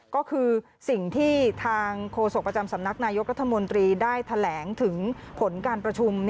ก็คือสิ่งที่ทางโฆษกประจำสำนักนายกรัฐมนตรีได้แถลงถึงผลการประชุม